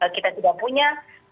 kita tidak punya